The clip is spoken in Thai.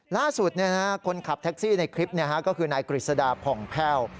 ล่าสุดคนขับแท็กซี่ในคลิปก็คือนายกฤษดาผ่องแพ่ว